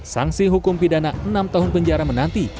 sanksi hukum pidana enam tahun penjara menanti